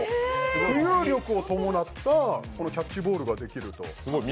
浮遊力を伴ったキャッチボールができると。